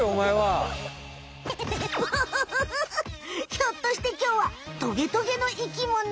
ひょっとしてきょうはトゲトゲの生きもの？